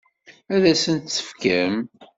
Ad asent-tt-tefkem?